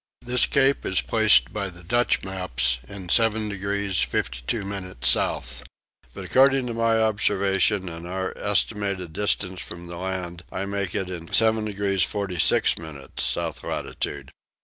This cape is placed by the Dutch maps in 7 degrees 52 minutes south. But according to my observation and our estimated distance from the land I make it in 7 degrees 46 minutes south latitude.